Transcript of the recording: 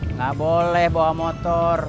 enggak boleh bawa motor